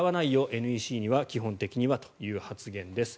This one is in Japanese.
ＮＥＣには、基本的にはという発言です。